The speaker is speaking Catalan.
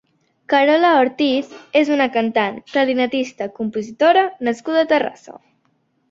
Carola Ortiz és una cantant, clarinetista, compositora nascuda a Terrassa.